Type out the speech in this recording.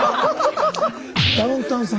「ダウンタウンさん